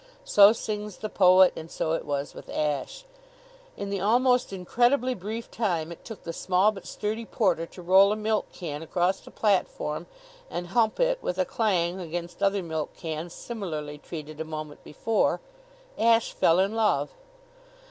So sings the poet and so it was with Ashe. In the almost incredibly brief time it took the small but sturdy porter to roll a milk can across the platform and hump it, with a clang, against other milk cans similarly treated a moment before, Ashe fell in love.